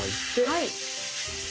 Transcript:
はい。